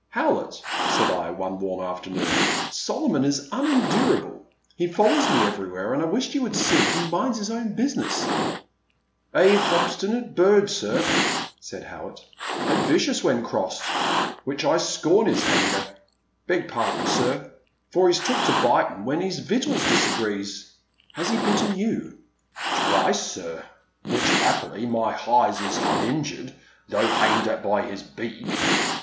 HOWI^ETT," said I, one warm afternoon, Solomon is unendurable: he follows me everywhere, and I wish you to see that he minds his own business/' A hobstinate bird, sir,*' said Howett, and vicious when crossed, — which I scorn *is h* anger, — beg pardon sir, — for 'e*s took to biting wen 4s vitdes disagrees." Has he bitten you?" " Twice, sir, — which 'appily my h'eyes is hun injured, though h* aimed at by 'is beak."